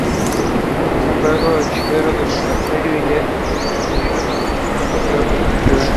Nombrado archivero del monasterio, lee y transcribe los documentos confiados a su cuidado.